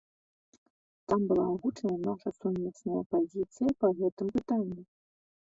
Там была агучана наша сумесная пазіцыя па гэтым пытанні.